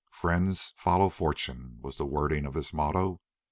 "Friends follow fortune," was the wording of this motto.